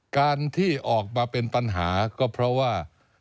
การที่ออกมาเป็นปัญหาก็เพราะว่า